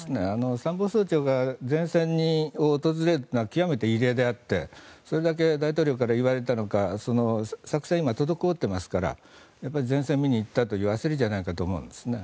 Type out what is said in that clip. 参謀総長が前線を訪れるのは極めて異例であってそれだけ大統領から言われたのか作戦が今、滞っていますから前線を見に行ったというやすりじゃないかと思いますね。